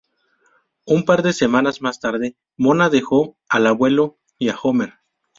Un par de semanas más tarde, Mona dejó al abuelo y a Homer.